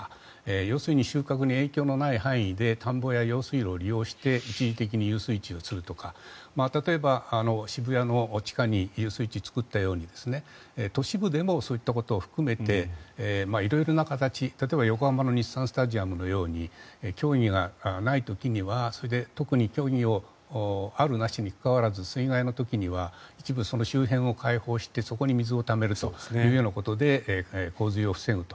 要するに収穫に影響のない範囲で田んぼや用水路を利用して一時的に遊水地にするとか例えば、渋谷の地下に遊水地を作ったように都市部でもそういったことを含めて色々な形例えば横浜の日産スタジアムのように競技がない時には特に競技をあるなしにかかわらず水害の時には一部、その周辺を開放してそこに水をためるということで洪水を防ぐと。